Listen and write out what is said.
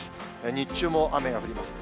日中も雨が降ります。